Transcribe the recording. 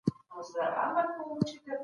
مشاورین به ګډي ناستي جوړوي.